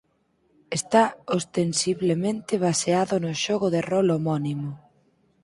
Está ostensiblemente baseado no xogo de rol homónimo.